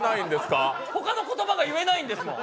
他の言葉が言えないんですもん。